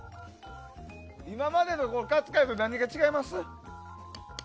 今までのカツカレーと何が違います？